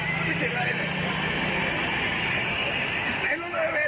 ไหนรถมึงบอกว่ารถร้อยเวียน